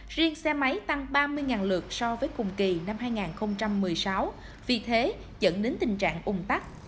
riêng xe máy tăng ba mươi lượt so với cùng kỳ năm hai nghìn một mươi sáu vì thế dẫn đến tình trạng ủng tắc